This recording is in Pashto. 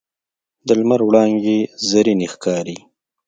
د لمر وړانګې زرینې ښکاري